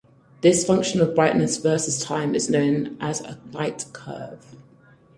This function of brightness versus time is known as a light curve.